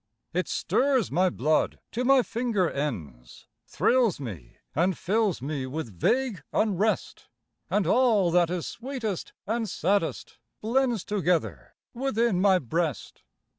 It stirs my blood to my finger ends, Thrills me and fills me with vague unrest, And all that is sweetest and saddest blends Together within my breast.